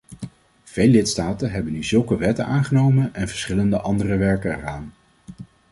Veel lidstaten hebben nu zulke wetten aangenomen en verschillende andere werken eraan.